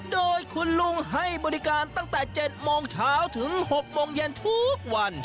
โดยคุณลุงให้บริการตั้งแต่๗โมงเช้าถึง๖โมงเย็นทุกวัน